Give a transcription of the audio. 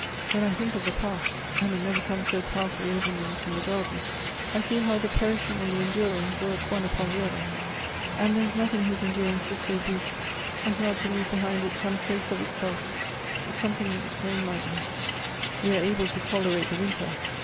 When I think of the past (and it never comes bo powerfully over me as in the garden,) I feel how the perishing and the enduring work one upon the other, and there is nothing whose endurance is so brief as not to leave behind it some trace of itself, something in its own likeness." Elective Affinities. 24 1 " We are able to tolerate the wLnter.